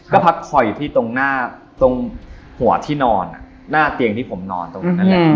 ก็พักคอยอยู่ที่ตรงหน้าตรงหัวที่นอนหน้าเตียงที่ผมนอนตรงนั้นนั่นแหละ